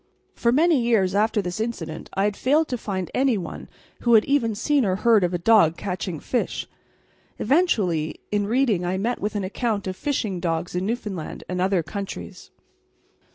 For many years after this incident I failed to find any one who had even seen or heard of a dog catching fish. Eventually, in reading I met with an account of fishing dogs in Newfoundland and other countries.